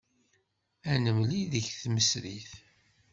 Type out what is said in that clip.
Ad nemlil deg tmesrit.